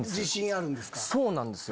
そうなんですよ。